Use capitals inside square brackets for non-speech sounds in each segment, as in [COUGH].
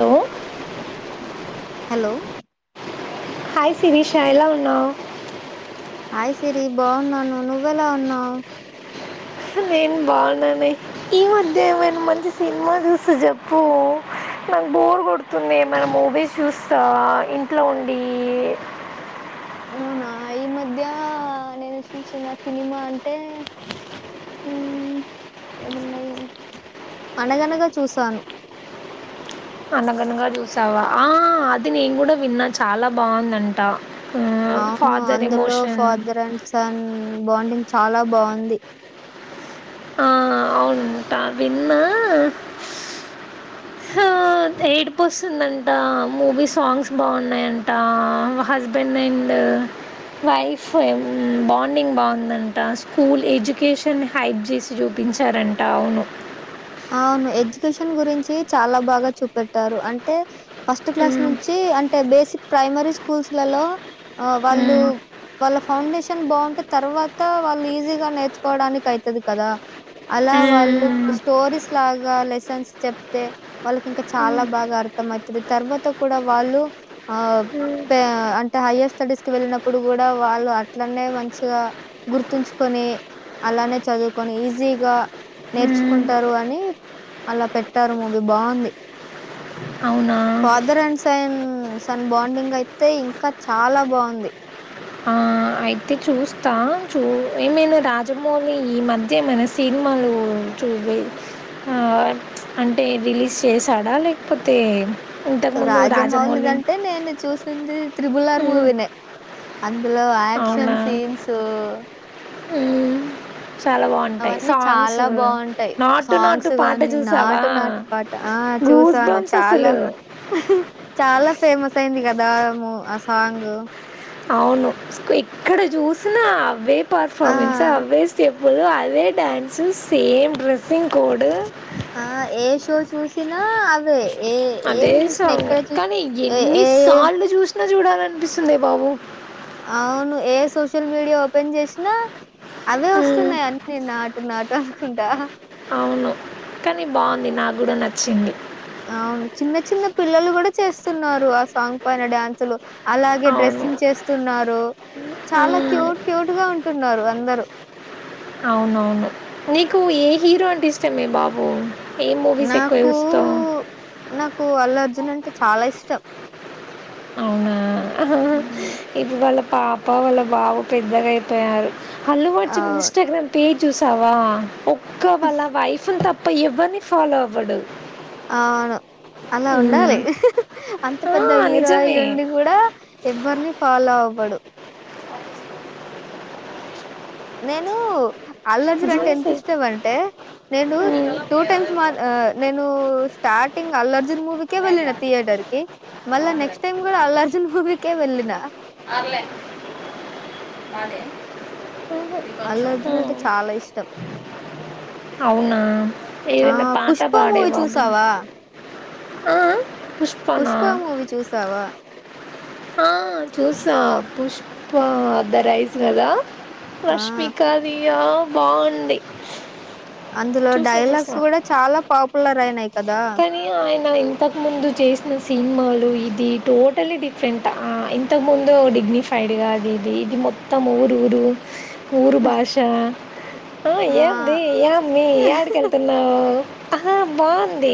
Hello hello hi Sirisha ఎలా ఉన్నావు hi సిరి బాగున్నాను నువ్వెలా ఉన్నావు నేను బాగున్నాను ఈ మధ్యమైనా మంచి సినిమా చూస్తే చెప్పు నాకు బోర్ కొడుతుంది ఏమైనా మూవీస్ చూస్తా ఇంట్లో ఉండి అవునా ఈ మధ్య నేను చూసిన సినిమా అంటే హు ఏమున్నాయి అనగనగా చూసాను అనగనగా చూసావా ఆ అది నేను కూడా విన్నా చాలా బాగుందంట అవును ఫాదర్ అందులో emotion father and son bonding చాలా బాగుంది ఆ అవునుంటా విన్న ఏడిపు వస్తుందంట మూవీ సాంగ్స్ బాగున్నాయంట హస్బెండ్ అండ్ వైఫ్ బాండింగ్ బాగుందంట స్కూల్ ఎడ్యుకేషన్ హైప్ చేసి చూపించారంట అవును అవును ఎడ్యుకేషన్ గురించి చాలా బాగా చూపెట్టారు అంటే ఫస్ట్ క్లాస్ మ్మ్. నుంచి అంటే అంటే బేసిక్ ప్రైమరీ స్కూల్స్ లలో వాళ్ళు మ్మ్. వాళ్ళ ఫౌండేషన్ బాగుంటే తర్వాత వాళ్ళు ఈజీగా నేర్చుకోవడానికి అయితది కదా అలా వాళ్ళు స్టోరీస్ లాగా లెసన్స్ చెప్తే వాళ్ళకి ఇంకా చాలా బాగా అర్థంమవుతుది తర్వాత కూడా వాళ్ళు ఆ మ్మ్. అంటే హయ్యర్ స్టడీస్ కి వెళ్ళినప్పుడు కూడా వాళ్ళు అట్లనే మంచిగా గుర్తుంచుకొని అలానే చదువుకొని ఈజీగా నేర్చు మ్మ్. చసుకుంటారు అని అలా పెట్టారు మూవి బాగుంది అవునా father and son son bonding అయితే ఇంకా చాలా బాగుంది ఆ, అయితే చూస్తా చూ ఏమైనా రాజమౌళి ఈ మధ్య ఏమైనా సినిమాలు చూ అంటే రిలీజ్ చేశాడా లేకపోతే రాజమౌళి దంటే నేను చూసి త్రిబుల్ ఆర్ మ్మ్. మూవి నే ఇందులో అవునా యాక్షన్ సీన్స్ సో మ్మ్. చాలా బాగుంటాయి అవన్నీ సాంగ్స్ చాలా బాగుంటాయి నాటు నాటు సాంగ్స్ పాట కాన్ని చూసావా నాటు నాటు పాట ఆ గూస్ చూసాను బంప్స్ చాలా అసలు చాలా ఫేమస్ అయింది కదా ఆ సాంగ్ అవును ఎక్కడ చూసినా అవే ఆ! పర్ఫామెన్స్ అవే స్టిల్స్ అదే డాన్స్ సేమ్ డ్రెస్ ఆ ఏషో చు చూసినా అవే ఏ ఏం అదే చూసినా, సాంగ్ ఎక్కడ చూసి కానీ ఏ ఏ ఎన్నిసార్లు చూసిన జుడలనిపిస్తుందే బాబు అవును ఏ సోషల్ మీడియ ఓపెన్ చేసినా అవే మ్మ్. వస్తున్నాయి అన్న నా నాటకుంట అవును కానీ బాగుంది నా కూడ నచ్చింది అవును చిన్న చిన్న పిల్లలు కూడా చేస్తున్నారు ఆ సాంగ్ పైన డ్యాన్సులు అలాగే అవును డ్రెస్సింగ్ చేస్తున్నారు చాలా మ్మ్. క్యూట్ క్యూట్ గా ఉంటున్నారు అందరు అవునవును నీకు ఏ హీరో అంటే ఇష్టమే బాబు ఏ మూవీస్ ఎక్కువ నాకు చూస్తావు? నాకు అల్లు అర్జున్ అంటె చాలా ఇష్టం హ్మ్. ఇప్పు వాళ్ళ పాప వాళ్ళ బాబు పెద్దగయిపోయారు హల్లు అర్జున్ అవును. ఇన్స్టాగ్రామ్ పేజ చూసావ ఇ వాళ్ళ వైఫ్ ఉత అప్ప ఎవ్వరిని ఫాలో అవ్వడు అవును అలా ఉండాలి హ్మ్. అంత ఆ! పెద్ద హీరో అయి నిజమే. ఉండి కూడా ఎవ్వరిని ఫాలో అవ అవడు నేనూ అల్లర్జర్ అంటే ఎంత జెన్సీ. ఇస్తేవంటే నేను హ్మ్. టూ టైమ్స్ మా నేను స్టార్టింగ్ అల్లు న్ మూవీకే వెళ్ళిన థియేటర్ కి మళ్ళ నెక్స్ట్ టైమ్ కూడ అల్ల అర్జున్ మూవీకే వెళ్ళిన అల్లు అర్జున్ అంటే చాలా ఇష్టం. అవునా ఆ! ఏదైన పాట 'పుష్ప' పాడే మూవీ బాబు చూసావా? ఆ పుష్పనా? పుష్ప మూవీ చూసావ ఆ చూస పుష్ప ద రైస్ కదా ఆ! రష్మికాది యో బాగుంది అందులో చూసా డైలాగ్స్ కూడా చాలా పాప్ పుల్ల రవినాయక్ పని ఆయ్ నా ఇంతకుముందు చేసిన సినిమాలు ఇది టోటలీ డిఫరెంట్ ఆ ఇంతకుముందు డిగ్నిఫైడ్గా అది ఇది ఇది మొత్తం ఊడుడు ఊరు భాషా ఆ ఏంది ఏమ్మి ఏడికేళ్తున్నావు ఆహ బాన్ ది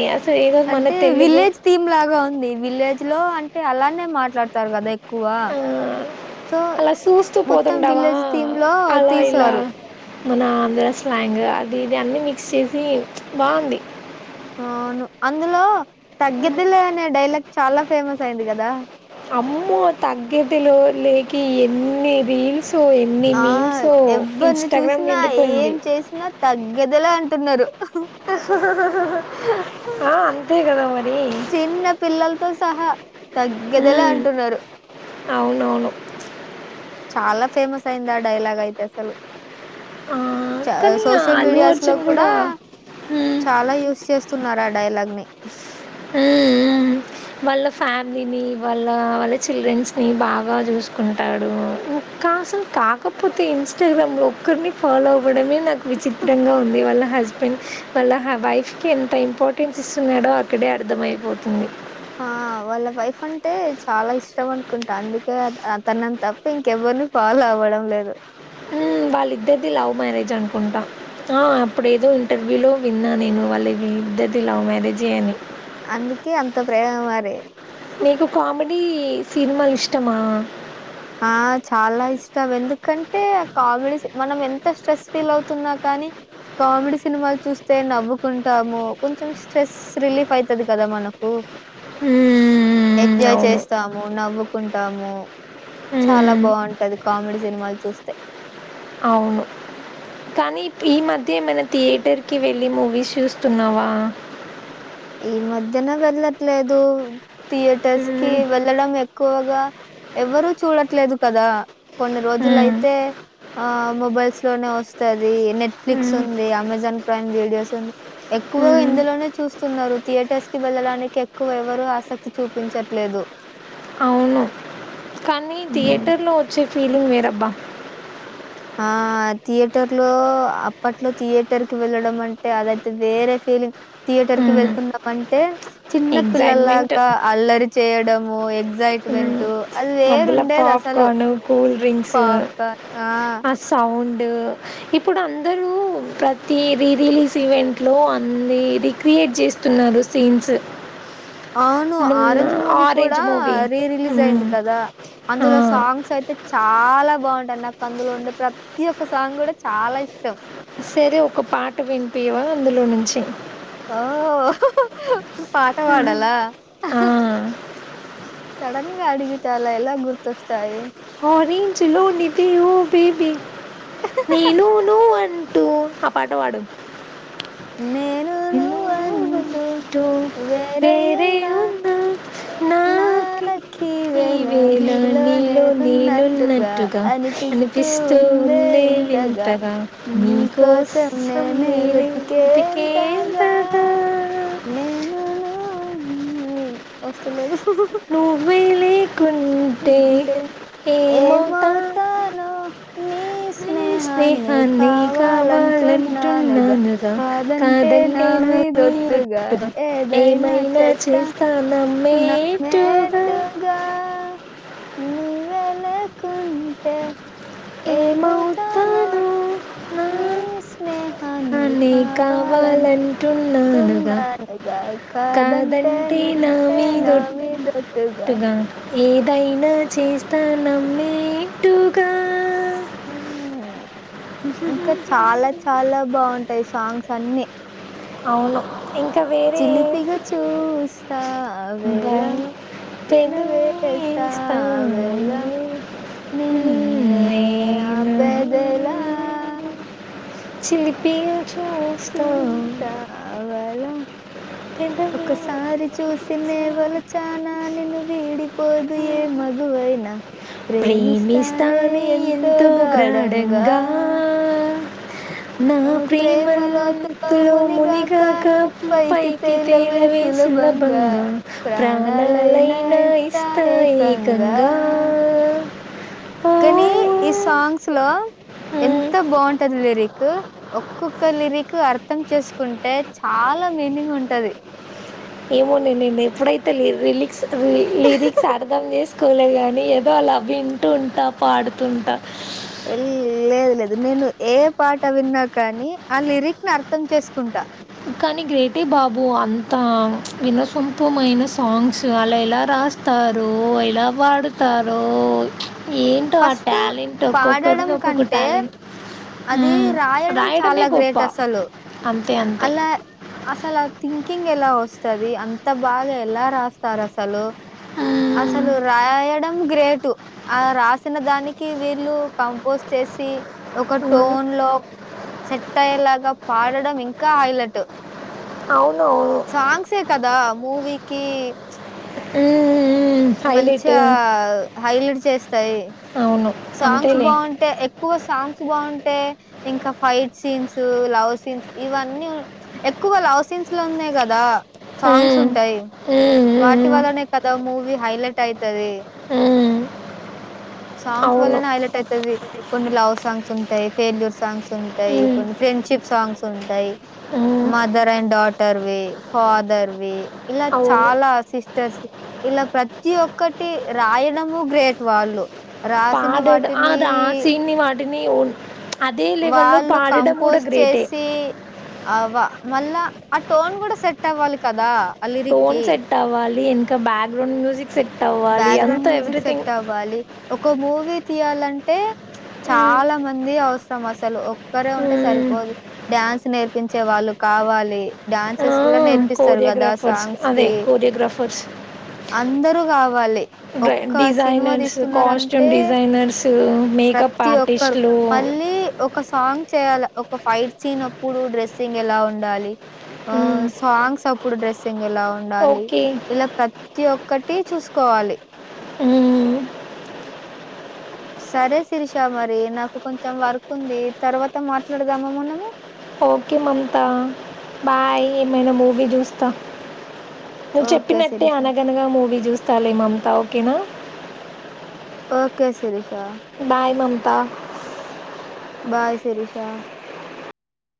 అంటే విలేజ్ థీమ్ లాగా ఉంది విలేజ్ లో అంటే అలానే మాట్లాడతారు కదా ఎ ఎక్కువ ఆ, సో అలా చూస్తూ మొత్తం పోతుంటావా విలేజ్ థీమ్ లో అలా ఇలా తీసారు మన ఆంధ్ర స్లాంగ్ అది ఇది అన్నీ మిక్స్ చేసి చ్ బాగుంది ఆ అవును అందులో తగ్గిద్దిలే అనే డైలాగ్ చాలా ఫేమస్ అయింది కదా అమ్మో తగ్గదేలే లేకి ఎన్ని రీల్స్ ఎన్ని ఆ మీమ్స్ ఎవ్వరిని ఇన్స్టాగ్రామ్ చూసినా నిండిపోయింది ఏం చేసినా తగ్గేదేలే అం తున్నరు ఆ అంతే కదా మరి చిన్న పిల్లలతో సహా తగ్గేదిలే అంటున్నారు. అవునవును చాలా ఫేమస్ అయింది ఆ డైలాగ్ అయితే అసలు ఆ, చ కానీ సోషల్ అల్లు మీడియాస్ లో అర్జున్ కూడా ఉమ్, చాలా యూస్ చేస్తున్నారు ఆ డైలాగ్ ని మ్మ్ మ్మ్ వాళ్ళ ఫ్యామిలీని వాళ్ళ వాళ్ళ చిల్డ్రన్స్ ని బాగా చూసుకుంటాడు ఇంకా అసలు కాకపోతే ఇన్స్టాగ్రామ్ లో ఒక్కరిని ఫాలో అవ్వడమే నాకు విచిత్రంగా ఉంది వాళ్ళ హస్ వాళ్ళ వైఫ్ కి ఎంత ఇంపార్టెన్స్ ఇస్తున్నాడో అ ఇక్కడే అర్థమయిపోతుంది ఆ వాళ్ళ వైఫ్ అంటే చాలా ఇష్టం అనుకుంటా అందుకే అతన్ని తప్ప ఇంకెవ్వరిని ఫాలో అవ్వడం లేదు మ్మ్ వాళ్ళిద్దరిది లవ్ మ్యారేజ్ అనుకుంటా ఆ అప్పుడేదో ఇంటర్వ్యూలో విన్నా నేను వాళ్లది ఇద్దరిది లవ్ మ్యారేజే అని అందుకే అంత ప్రేమ మరీ ఈ సినిమాలు ఇష్టమా ఆ చాలా ఇష్టం ఎందుకంటే కామెడీ మనం ఎంత స్ట్రెస్ ఫీల్ అవుతున్నా కానీ కామెడీ సినిమాలు చూస్తే నవ్వుకుంటాము కొంచెం స్ట్రెస్ రిలీఫ్ అయితది కదా మనకు హ్మ్. ఎంజాయ్ అవును. చేస్తాము నవ్వుకుంటాము చాలా హ్మ్. బావుంటది కామెడీ సినిమాలు చూస్తే అవును. కానీ ఇప్- ఈ మధ్యేమైనా థియేటర్కి వెళ్ళి మూవీస్ చూస్తున్నావా ఈ మధ్యన వెళ్లట్లేదు థియేటర్స్ కి మ్మ్. వెళ్ళడం ఎ ఎక్కువగా ఎవ్వరుూ చూడట్లేదు కదా కొన్ని రోజులు మ్మ్. అయితే ఆ మొబైల్స్ లోనే వస్తద్ ఈ నెట్ఫ్లిక్స్ మ్మ్. ఉంది అమెజాన్ ప్రైమ్ వేడి అసంది ఎక్కువగా మ్మ్. ఇందులోనే చూస్ తరు థియేటర్స్ కి వెళ్ళడానికి ఎక్కువ ఎవరుూ ఆసక్తి చూపించట్లేదు అవును కానీ హ్మ్. థియేటర్లో వచ్చే ఫీలింగ్ వేరబ్బా ఆ థియేటర్ లో అప్పట్లో థియేటర్ కి వెళ్ళడం అంటే అదైతే వేరే ఫీలింగ్ థియేటర్ కి మ్మ్. వెళ్తున్నాము అంటే చిన్న ఎగ్జైట్మెంట్ పిల్లల్లాగా అల్లరి చేయడం [INAUDIBLE] మ్మ్. ఎగజైట్మెంట్ అది వేరు మధ్యలో ఉండేది అసలు పాప్కార్న్ కూల్ డ్రింక్స్ పాప ఆ సౌండ్ ఇప్పుడు అందరూ ప్రతి రీ రిలీజ్ ఈవెంట్ లో అన్ని రిక్రియేట్ చేస్తున్నారు సీన్స్ అవును మొన్న ఆరెంజ్ మూవీ కూడా ఆరెంజ్ మూవీ రీ రిలీజ్ అయింది కదా అందులో సాంగ్స్ అయితే చాలా బాగుంటారు నాకు అందులో ఉండే ప్రతి ఒక్క సాంగ్ కూడా చాలా ఇష్టం సరే ఒక పాట వినిపివా అందులో నుంచి ఓ ఓహో పాట పాడాల ఆ సడన్ గా అడిగితే అల ఎలా గుర్తొస్తాయి ఆరేంజ్ లో నిదియ బేబీ నేనును అంటూ ఆ పాటవాడు నేను ఎ నువ్వంటూ అంటూ వేరే వేరయ్యున్నా ఉన్నా నాక ఈవేళ నీలో నేనున్నట్టుగా అనిపిస్తూ ఉండే వింత గా నీకోసం నేను వెతికే తగా నేను నువ్వు అంటూ వస్త లేదు నువే లే అంటే ఏమవుతా ఏమవుతానో నీ స్నేహాన్ని కావాలంటున్నానుగా కాదంటే నా మీదొట్టుగా ఏదైనా చెత్తా మే ట్టుగా నువ్వే లేకుంటే ఏం అవుతానో ఏమవుతాను నా నీ స్నేహాన్ని అని కావాలని కావాలంటున్నానుగా తున్నానుగా కాదంటే నా హేనా మీదొట్టుగా ఏదైనా చేస్తాన నమ్మెట్టుగా మ్మ్. [INAUDIBLE] ఇంకా చాలా చాలా బాగుంటాయి సాంగ్స్ అన్ని అవును. ఇంకా వేరే చిలిపిగా చూస్తా వెలా పెన భయపెదు వేస్తా వెలా నిన్నే నేను ఆపేదెలా చిలిపిగ చూస్తా వలా పెదవి ఒకసారి చూసినే వలచ చూసానా నిను వీడి పోదు ఏ మగువైనా ప్రేమిస్తానే ఎంతో గ్రాఢంగా గా... నా ప్రేమ మత్తులో మునిగాక పైకి తేలవే సులభంగా ప్రాణాలైనా ఇస్తా ఏకంగా.. ఓ కానీ ఈ సాంగ్స్లో మ్మ్. ఎంత బాగుంటది లి లిరిక్ ఒక్కొక్క లిరిక్ అర్థం చేసుకుంటే చాలా మీనింగ్ ఉంటది. ఏమో నే నేన్ ఎప్పుడైతే లిరిక్ క్స్ లిరిక్స్ అర్థం చేస్ స్కూలే కానీ ఏదో అలా వింటుంటా పాడుతుంట లేదు లేదు నేను ఏ పాట విన్నా కానీ ఆ లిరిక్ని అర్థం చేసుకుంటా కానీ గ్రేటే బాబు అంతా వినసొంపమైన సాంగ్స్ అలా ఎలా రాస్తారో ఎలా పాడుతారో ఏంటో ఆ ఫస్ట్ ట్యాలెంట్ ఒక్కొక్కరిది ఒక్కొక్క టాలెంట్ అదీ మ్మ్. రాయడం చాలా రాయడమే గొప్ప గ్రేట్ అసలు అంతే అ అంతే అలా అసలు ఆ థింకింగ్ ఎలా వస్తది. అంత బాగా ఎలా రాస్తారు అసలు మ్మ్. అసలు రాయడం గ్రేటు ఆ రాసిన దానికి వీళ్ళు కంపోజ్ చేసి ఒక మ్మ్. టోన్లో సెట్ అయ్యేలాగా పాడడం ఇంకా హైలట్ అవున్ నవును. కదా మూవీకీ హైలైట్ మంచిగా హైలైట్ చేస్తాయి. అవును సాంగ్స్ అంతేలే బాగుంటే ఎక్కువ సాంగ్ గ్స్ బాగుంటే ఇంకా ఫైట్ సీన్స్, లవ్ సీన్స్ ఇవన్నీ ఎక్కువ లవ్ సీన్స్ లో ఉన్నయి కదా సాంగ్స్ ఉమ్, ఉంటాయి ఉమ్, వాటి ఉమ్, వల్లనే కదా మూవీ హైలైట్ అయితది. ఉమ్, సాంగ్స్ అవును వల్లనే హైలైట్ అయితది. కొన్ని లవ్ సాంగ్స్ ఉంటయి. ఫెయిల్యూర్ సాంగ్స్ ఉంటయి. ఉమ్, కొన్ని ఫ్రెండ్షిప్ సాంగ్స్ ఉంటయి. ఉమ్, మదర్ అండ్ డాటర్వి, ఫాదర్వి ఇలా అవును చాలా సిస్టర్స్ ఇలా ప్ర ప్రతీ ఒక్కటి రాయడము గ్రేట్ వాళ్ళు రాసిన పాడేడు ఆ వాటిని రాసీని వాడ్ వాటిని అదే లెవెల్లో వాళ్ళు పాడడం కూడ గ్రేటే అవా మళ్ళా ఆ టోన్ కూడ సెట్ అవ్వాలి కదా ఆ టోన్ లిరిక్‌కి. సెట్ అవ్వాలి. ఇంకా బ్యాక్గ్రౌండ్ మ్యూజిక్ సెట్ అవ్వాలి బ్యాక్గ్రౌండ్ అంతా మ్యూజిక్ ఎవ్రీథింగ్ సెట్ అవ్వాలి. ఒక మూవీ తీయాలంటే ఉమ్, చాలా మంది అవసరం అసలు ఒక్కరే ఉంటే ఉమ్, సరిపోదు డ్యాన్స్ నేర్పించే వాళ్ళు కావాలి ఆ, డ్యాన్సెస్ కోరియోగ్రాఫర్స్ అదే కోరియోగ్రాఫర్స్ అవు వాళ్ళే డై డిజైనర్స్ కాస్ట్యూమ్ డిజైనర్సు మేకప్ ప్రతి ఒక్కరు. ఆర్టిస్ట్లు మళ్ళీ ఒక సాంగ్ చేయాల ఒక ఫైట్ చేన్ అప్పుడు డ్రెస్సింగ్ ఎలా ఉండాలి ఆ ఉమ్, సాంగ్స్ అప్పుడు డ్రెస్సింగ్ ఎలా ఉండ ఉండాలి ఓకే ఇలా ప్రతి ప్రతి ఒక్కటి చూసు కోవాలి. ఉమ్, సరే శిరిష మరి నాకు కొంచెం వర్క్ ఉంది తర్వాత మాట్లాడదాము మనము. ఓకే మమత బాయ్ ఏమైనా మూవీ చూస్త. నువ్వు ఓకే చెప్పినట్టే శిరీష అనగనగా మూవీ చూస్ సర్లే మమత ఓకేనా ఓకే శిరిష. బాయ్ మమ్ త బాయ్ శిరిష